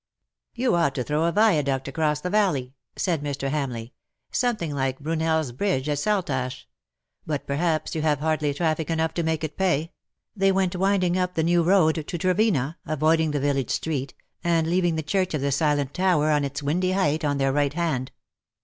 '^ You ought to throw a viaduct across the valley/ ' said Mr. Hamleigh —'' something like Brune?s bridge at Saltash ; but perhaps you have hardly traffic enough to make it pay." They went winding up the new road to Trevena, avoiding the village street, and leaving the Church of the Silent Tower on its windy height on their right hand.